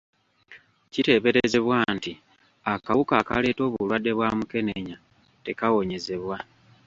Kiteeberezebwa nti akawuka akaleeta obulwadde bwa mukenenya tekawonyezebwa.